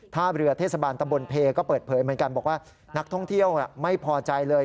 ท่าเรือเทศบาลตำบลเพก็เปิดเผยเหมือนกันบอกว่านักท่องเที่ยวไม่พอใจเลย